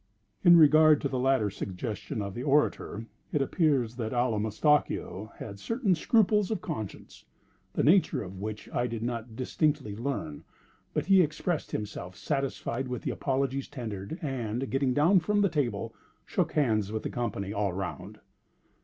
In regard to the latter suggestions of the orator, it appears that Allamistakeo had certain scruples of conscience, the nature of which I did not distinctly learn; but he expressed himself satisfied with the apologies tendered, and, getting down from the table, shook hands with the company all round.